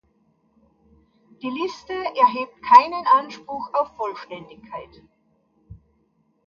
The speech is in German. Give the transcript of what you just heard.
Die Liste erhebt keinen Anspruch auf Vollständigkeit.